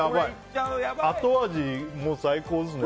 後味最高ですね。